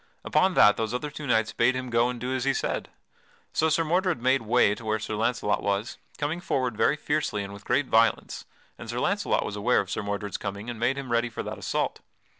Upon that those other two knights bade him go and do as he said. So Sir Mordred made way to where Sir Launcelot was, coming forward very fiercely and with great violence, and Sir Launcelot was aware of Sir Mordred's coming and made him ready for that assault.